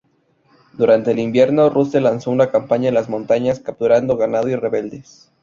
Durante el invierno, Russell lanzó una campaña en las montañas, capturando ganado y rebeldes.